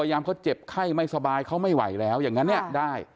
ยามเขาเจ็บไข้ไม่สบายเขาไม่ไหวแล้วอย่างนั้นเนี่ยได้